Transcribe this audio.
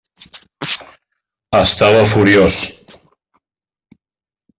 Estava furiós.